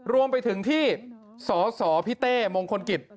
รวมไปถึงที่สสพี่เต้มงคลกิจ